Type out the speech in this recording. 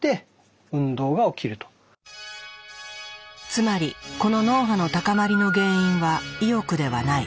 つまりこの脳波の高まりの原因は意欲ではない。